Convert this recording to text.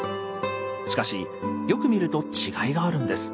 しかしよく見ると違いがあるんです。